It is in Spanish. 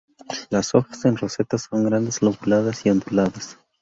Las hojas en roseta son grandes, lobuladas y onduladas.